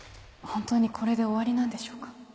本当にこれで終わりなんでしょうか？